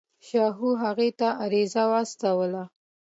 شاهو هغه ته عریضه واستوله.